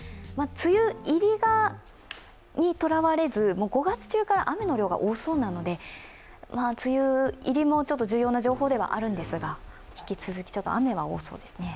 梅雨入りにとらわれず、５月中から雨の量が多そうなので、梅雨入りも重要な情報ではあるんですが引き続き雨は多そうですね。